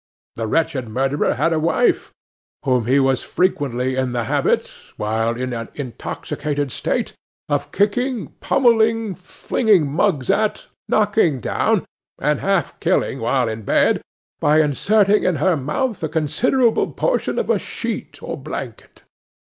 The wretched murderer had a wife, whom he was frequently in the habit, while in an intoxicated state, of kicking, pummelling, flinging mugs at, knocking down, and half killing while in bed, by inserting in her mouth a considerable portion of a sheet or blanket.